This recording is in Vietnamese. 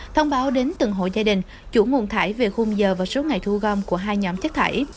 thông báo đến từng hộ gia đình chủ nguồn thải về khung giờ và số ngày thu gom của hai nhóm chất thải